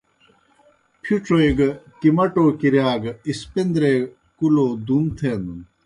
پِھڇوئے گہ کِمٹو کِرِیا گہ اِسپِندرے کُلو دُوم تھینَن۔